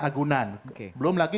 agunan belum lagi